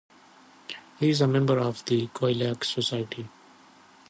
He is a member of the Coeliac Society.